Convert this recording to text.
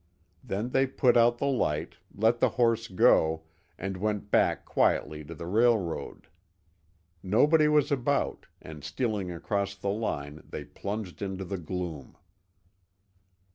Then they put out the light, let the horse go, and went back quietly to the railroad. Nobody was about, and stealing across the line, they plunged into the gloom.